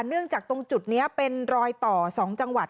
เนื่องจากตรงจุดนี้เป็นรอยต่อ๒จังหวัด